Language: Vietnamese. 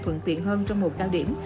thuận tiện hơn trong mùa cao điểm